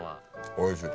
おいしい。